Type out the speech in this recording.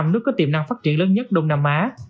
năm nước có tiềm năng phát triển lớn nhất đông nam á